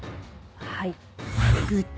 はい。